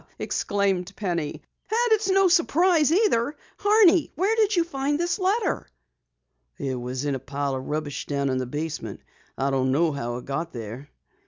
exclaimed Penny. "And it's no surprise either! Horney, where did you find this letter?" "It was in a pile of rubbish down in the basement. I don't know how it got there."